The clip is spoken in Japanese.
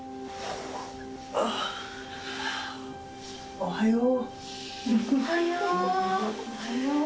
おはよう。